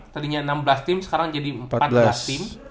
tadinya enam belas tim sekarang jadi empat belas tim